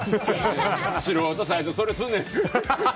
素人は最初、それするねんって。